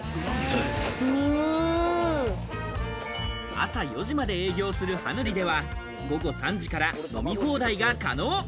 朝４時まで営業するハヌリでは、午後３時から飲み放題が可能。